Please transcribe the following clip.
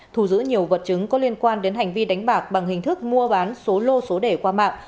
thù giữ nhiều vật chứng có liên quan đến hành vi đánh bạc bằng hình thức mua bán số lô số đề qua mạng